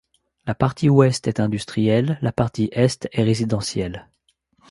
La partie ouest est industrielle, la partie est est résidentielle.